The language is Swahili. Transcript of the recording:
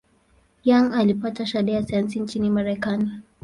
Young alipata shahada ya sayansi nchini Marekani.